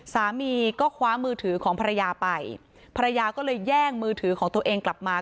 สามีก็คว้ามือถือของภรรยาไปภรรยาก็เลยแย่งมือถือของตัวเองกลับมา